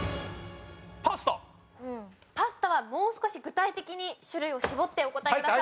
パスタはもう少し具体的に種類を絞ってお答えください。